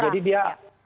jadi dia asal